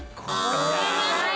すいません。